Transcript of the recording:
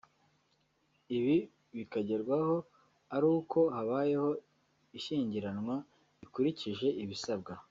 ibi bikagerwaho ari uko habayeho ishyingiranwa rikurikije ibisabwa